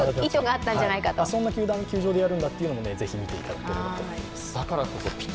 そんな球団の球場でやるんだというのもぜひ見ていただきたいと思います。